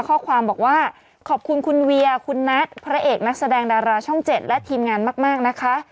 ข้อความบอกว่าขอบคุณคุณเวียคุณนัทพระเอกนักแสดงดาราช่อง๗และทีมงานมากนะคะ